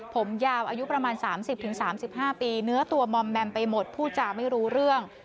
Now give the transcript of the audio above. ผมยาวอายุประมาณ๓๐๓๕ปีเนื้อตัวมอมแมมไปหมดผู้จาไม่รู้เรื่อง